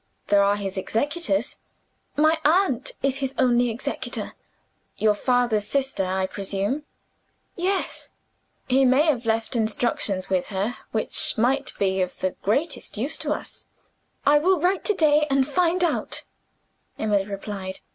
"There are his executors." "My aunt is his only executor." "Your father's sister I presume?" "Yes." "He may have left instructions with her, which might be of the greatest use to us." "I will write to day, and find out," Emily replied.